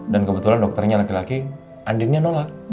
dan kebetulan dokternya laki laki andinnya nolak